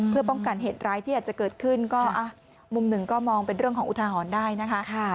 เพื่อป้องกันเหตุร้ายที่อาจจะเกิดขึ้นก็มุมหนึ่งก็มองเป็นเรื่องของอุทาหรณ์ได้นะคะ